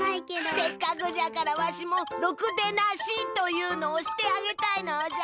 せっかくじゃからわしも「ろくでなし」というのをしてあげたいのじゃ。